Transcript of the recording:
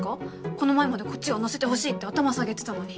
この前までこっちが載せてほしいって頭下げてたのに。